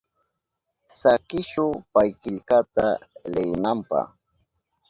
Sakishu pay killkata leyinanpa.